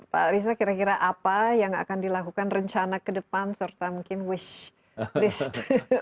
pak riza kira kira apa yang akan dilakukan rencana ke depan serta mungkin wish list